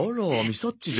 さっちじゃない。